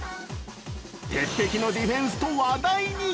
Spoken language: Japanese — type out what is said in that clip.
鉄壁のディフェンスと話題に。